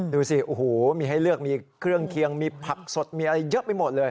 ดูสิโอ้โหมีให้เลือกมีเครื่องเคียงมีผักสดมีอะไรเยอะไปหมดเลย